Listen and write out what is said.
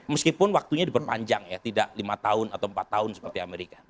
meskipun waktunya diperpanjang ya tidak lima tahun atau empat tahun seperti amerika